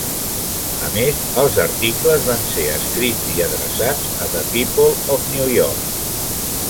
A més, els articles van ser escrits i adreçats a "The People of New York".